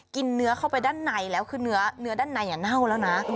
เนื้อเข้าไปด้านในแล้วคือเนื้อด้านในเน่าแล้วนะ